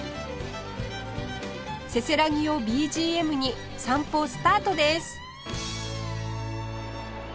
せせらぎを ＢＧＭ に散歩スタートです